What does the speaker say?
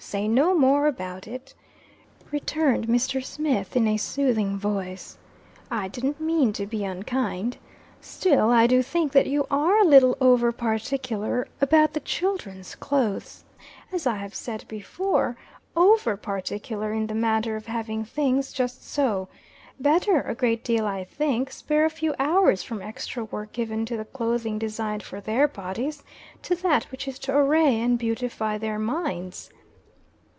Say no more about it," returned Mr. Smith, in a soothing voice. "I didn't mean to be unkind. Still, I do think that you are a little over particular about the children's clothes, as I have said before over particular in the matter of having things just so. Better, a great deal, I think, spare a few hours from extra work given to the clothing designed for their bodies, to that which is to array and beautify their minds."